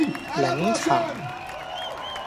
檸茶